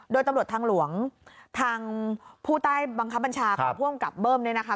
โดยตำรวจทางหลวงทางผู้ใต้บังคับบัญชาของผู้กำกับเบิ้มเนี่ยนะคะ